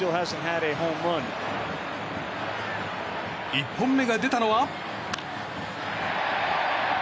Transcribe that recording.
１本目が出たのは。